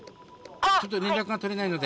ちょっと連絡が取れないので。